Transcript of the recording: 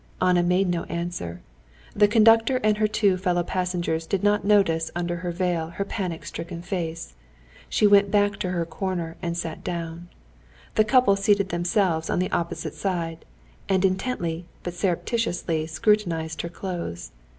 Anna made no answer. The conductor and her two fellow passengers did not notice under her veil her panic stricken face. She went back to her corner and sat down. The couple seated themselves on the opposite side, and intently but surreptitiously scrutinized her clothes.